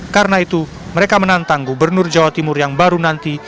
karena itu mereka menantang gubernur jawa timur yang baru nanti